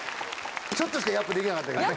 ちょっとしかヤップできなかったけど。